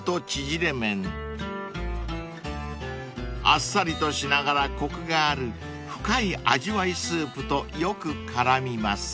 ［あっさりとしながらコクがある深い味わいスープとよく絡みます］